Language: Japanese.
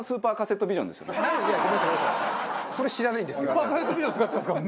スーパーカセットビジョン使ってたんですか？